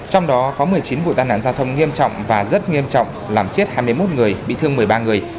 trong đó có một mươi chín vụ tai nạn giao thông nghiêm trọng và rất nghiêm trọng làm chết hai mươi một người bị thương một mươi ba người